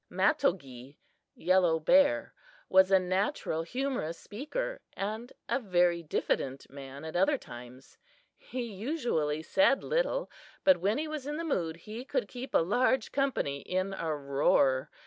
Matogee (Yellow Bear) was a natural humorous speaker, and a very diffident man at other times. He usually said little, but when he was in the mood he could keep a large company in a roar.